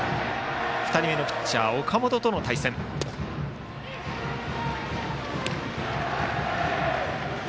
２人目のピッチャー岡本との対戦です。